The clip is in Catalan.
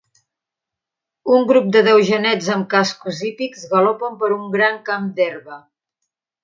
Un grup de deu genets amb cascos hípics galopen per un gran camp d'herba.